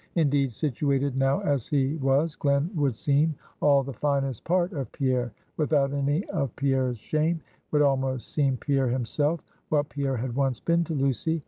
Indeed, situated now as he was Glen would seem all the finest part of Pierre, without any of Pierre's shame; would almost seem Pierre himself what Pierre had once been to Lucy.